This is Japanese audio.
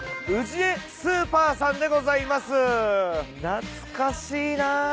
懐かしいな。